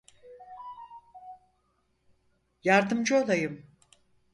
Yardımcı olayım.